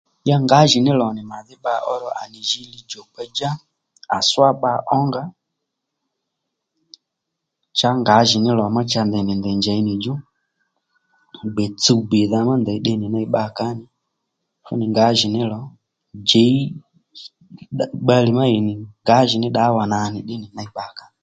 Ya ngǎjìní lò nì màdhí bba ó ro à nì jǐ li djùkpa-djá à swá bba ó nga cha ngǎjìní lò má ndèy ní ndèy njěy nì djú gbè tsuw bìydha má ndèy tdè nì ney bbakàó nì fúnì ngǎjìní lò djěy bbalè má ì nì ngǎjìní ddǎwà nà nì bbalè ddí nì ney bbakà òluw